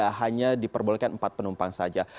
hanya diperbolehkan empat penumpang saja